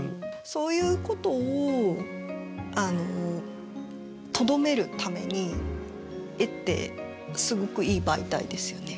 そういうことをとどめるために絵ってすごくいい媒体ですよね。